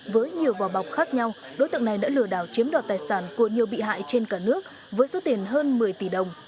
với nhiều vò bọc khác nhau đối tượng này đã lừa đảo chiếm đoạt tài sản của nhiều bị hại trên cả nước với số tiền hơn một mươi tỷ đồng